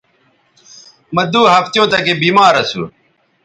مہ دو ہفتیوں تکے بیمار اسو